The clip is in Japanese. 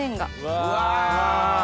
うわ！